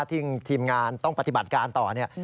ทีมงานต้องปฏิบัติการต่อเนี่ย